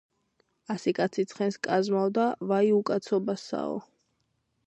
ასი კაცი ცხენს კაზმავდა, "ვაი უკაცობასაო